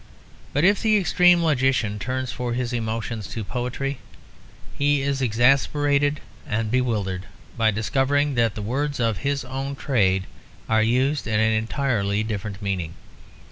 But if the extreme logician turns for his emotions to poetry, he is exasperated and bewildered by discovering that the words of his own trade are used in an entirely different meaning.